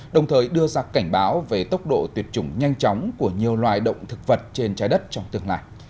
đồng thời đưa ra cảnh báo về tốc độ tuyệt chủng nhanh chóng của nhiều loài động thực vật trên trái đất trong tương lai